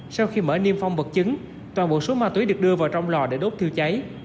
sau khi mở niêm phong vật chứng toàn bộ số ma túy được đưa vào trong lò để đốt thiêu cháy